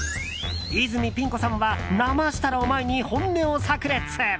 泉ピン子さんは生設楽を前に本音を炸裂。